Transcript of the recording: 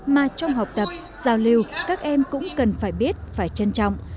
mà trong học tập giao lưu các em cũng cần phải biết phải trân trọng